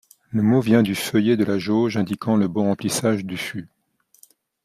Le mot vient du feuillet de la jauge indiquant le bon remplissage du fût.